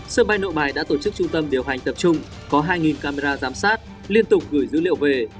sân bay nội bài đã tổ chức trung tâm điều hành tập trung có hai camera giám sát liên tục gửi dữ liệu về